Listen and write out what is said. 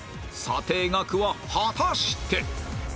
査定額は果たして